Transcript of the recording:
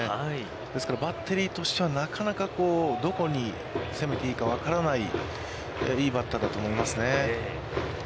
ですから、バッテリーとしてはなかなかどこに攻めていいか分からない、いいバッターだと思いますね。